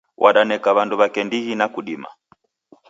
Wadaneka wandu wake ndighi na kudima.